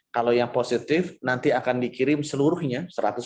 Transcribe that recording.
kalau yang positif nanti akan dikirim seluruhnya